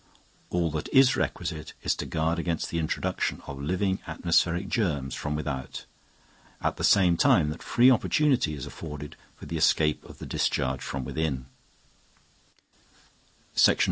All that is requisite is to guard against the introduction of living atmospheric germs from without, at the same time that free opportunity is afforded for the escape of the discharge from within.